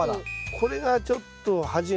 これがちょっと端が。